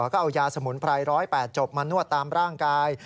ก็เอายาสมุนไพร๑๐๘จบมานวดตามร่างกาย